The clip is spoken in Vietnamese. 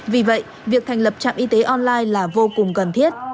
vì vậy việc thành lập trạm y tế online là vô cùng cần thiết